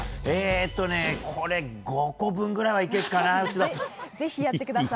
えーとね、これ５個分ぐらいはいけるかな。